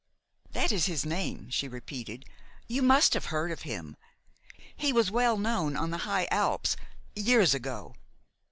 "That is his name," she repeated. "You must have heard of him. He was well known on the high Alps years ago."